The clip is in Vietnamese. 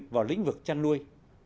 vào lĩnh vực chăn nuôi